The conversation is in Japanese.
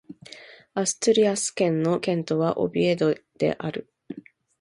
アストゥリアス県の県都はオビエドである